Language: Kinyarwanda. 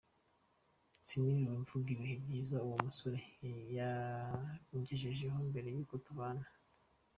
Siniriwe mvuga ibihe byiza uwo musore yangejejeho mbere y’uko tubana.